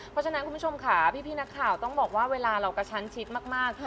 เพราะฉะนั้นคุณผู้ชมค่ะพี่นักข่าวต้องบอกว่าเวลาเรากระชั้นชิดมาก